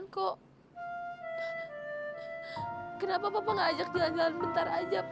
kenapa saya tidak ajak ibu jalan jalan sebentar saja pak